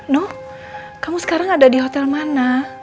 no kamu sekarang ada di hotel mana